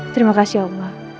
terima kasih allah